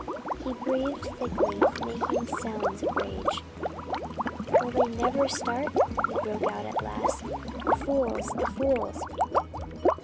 He breathed thickly, making sounds of rage. "Will they never start?" he broke out at last. "The fools the fools!"